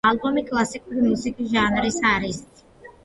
ალბომი კლასიკური მუსიკის ჟანრის არის.